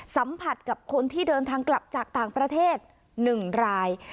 สัมผัสกับคนที่เดินทางกลับจากต่างประเทศ๑ราย